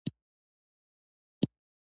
له منځه يوسې اول قدم کې ژبه ترې واخلئ.